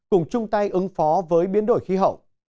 cùng chung tay ứng phó với biến đổi khí hậu